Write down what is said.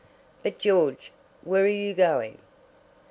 "But, George, where are you going?"